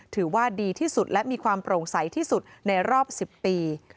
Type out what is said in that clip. ถือว่าดีที่สุดและมีความโปร่งใสที่สุดในรอบ๑๐ปี